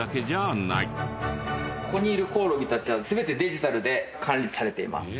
ここにいるコオロギたちは全てデジタルで管理されています。